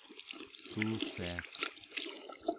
kuuvviaq